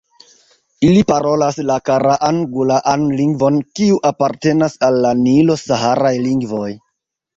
Ili parolas la karaan-gulaan lingvon kiu apartenas al la nilo-saharaj lingvoj.